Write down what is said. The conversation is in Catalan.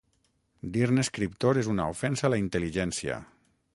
Dir-ne escriptor és una ofensa a la intel·ligència!